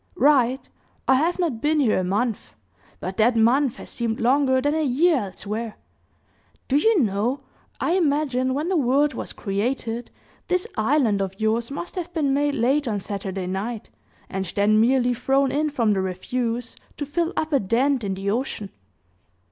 "Right! I have not been here a month; but that month has seemed longer than a year elsewhere. Do you know, I imagine when the world was created, this island of yours must have been made late on Saturday night, and then merely thrown in from the refuse to fill up a dent in the ocean."